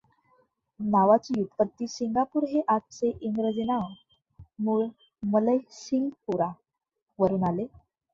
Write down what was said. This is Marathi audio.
नावाची व्युत्पत्ती सिंगापूर हे आजचे इंग्रजी नाव मूळ मलय सिंगपूरा वरून आले.